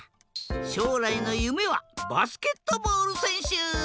しょうらいのゆめはバスケットボールせんしゅ。